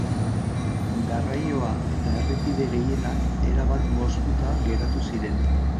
Garraioa eta errepide gehienak erabat moztuta geratu ziren.